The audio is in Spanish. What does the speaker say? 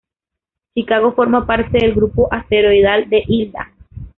Chicago forma parte del grupo asteroidal de Hilda.